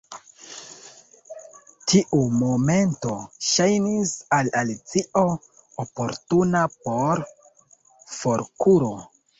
Tiu momento ŝajnis al Alicio oportuna por forkuro.